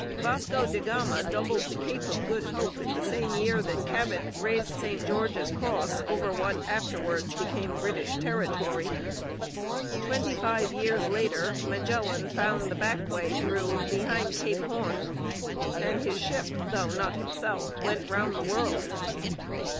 Vasco da Gama doubled the Cape of Good Hope in the same year that Cabot raised St George's Cross over what afterwards became British territory. Twenty five years later Magellan found the back way through behind Cape Horn, and his ship, though not himself, went round the world.